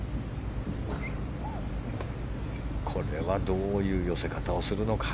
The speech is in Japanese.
これはどういう寄せ方をするのか。